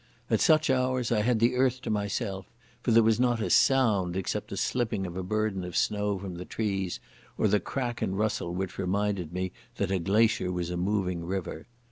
At such hours I had the earth to myself, for there was not a sound except the slipping of a burden of snow from the trees or the crack and rustle which reminded me that a glacier was a moving river.